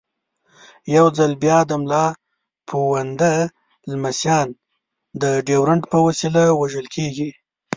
یو ځل بیا د ملا پوونده لمسیان د ډیورنډ په وسیله وژل کېږي.